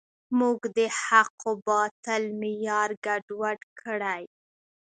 موږ د حق و باطل معیار ګډوډ کړی.